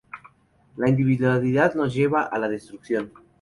La individualidad nos lleva a la destrucción